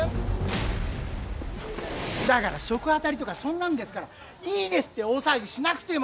だから食あたりとかそんなんですからいいですって大騒ぎしなくても！